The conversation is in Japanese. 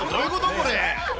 これ。